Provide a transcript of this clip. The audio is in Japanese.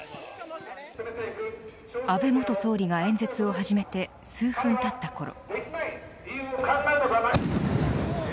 安倍元総理が演説を始めて数分たったころ。